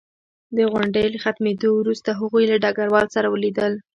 د غونډې له ختمېدو وروسته هغوی له ډګروال سره ولیدل